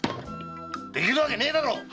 できるわけねぇだろ！